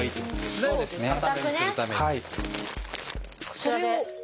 こちらで。